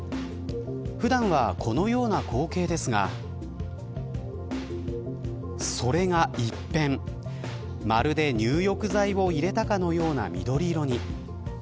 普段はこのような光景ですがそれが一変まるで入浴剤を入れたかのような緑色に。